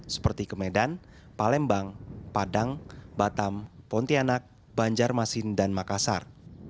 seperti kemedan palembang padang batam pontianak banjarmasin dan makassar